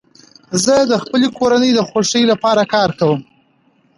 زه د خپلي کورنۍ د خوښۍ له پاره کار کوم.